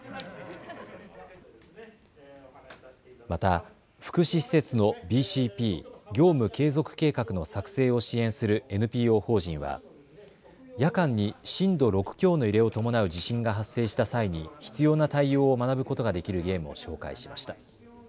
また福祉施設のＢＣＰ・業務継続計画の作成を支援するＮＰＯ法人は夜間に震度６強の揺れを伴う地震が発生した際に必要な対応を学ぶことができるゲームを紹介しました。